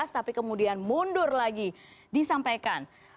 tapi kemudian mundur lagi disampaikan